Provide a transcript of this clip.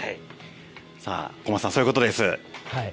小松さん、そういうことです。